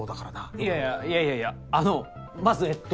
いやいやいやいやいやあのまずえっと